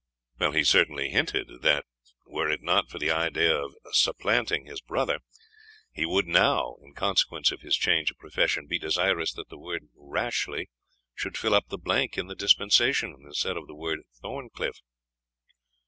"He certainly hinted, that were it not for the idea of supplanting his brother, he would now, in consequence of his change of profession, be desirous that the word Rashleigh should fill up the blank in the dispensation, instead of the word Thorncliff."